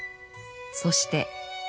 そして。